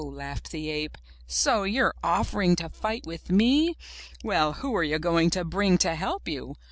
laughed the ape, *'so you're offering to fight with me? Well, who are you going to bring to help you?